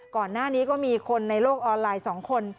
ก่อนหน้านี้ก็มีคนในโลกออนไลน์๒คน